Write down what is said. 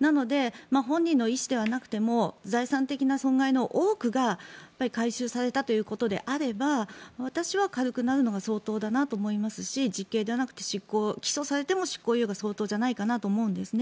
なので、本人の意思ではなくても財産的被害の多くが回収されたということであれば私は軽くなるのが相当だと思いますし実刑ではなく起訴されても執行猶予が相当じゃないかなと思うんです。